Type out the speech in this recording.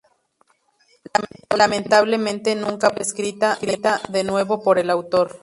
Lamentablemente nunca pudo ser escrita de nuevo por el autor.